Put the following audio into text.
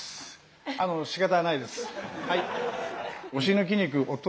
あのしかたがないです。